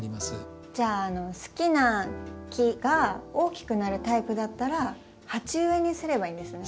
じゃあ好きな木が大きくなるタイプだったら鉢植えにすればいいんですね。